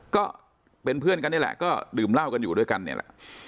ก็เป็นเพื่อนกันนี่แหละก็ดื่มเหล้ากันอยู่ด้วยกันเนี่ยแหละ